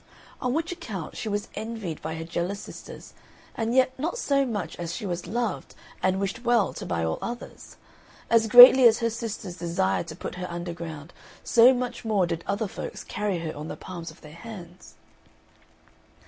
On which account she was envied by her jealous sisters and yet not so much as she was loved and wished well to by all others; as greatly as her sisters desired to put her underground, so much more did other folks carry her on the palms of their hands.